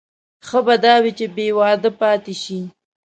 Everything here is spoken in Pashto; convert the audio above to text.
ښه به دا وي چې بې واده پاتې شي.